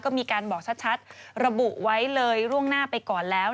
ก็มีการบอกชัดระบุไว้เลยล่วงหน้าไปก่อนแล้ว